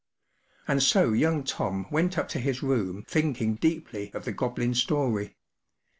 ” And so young Tom went up to his room thinking deeply of the Goblin story.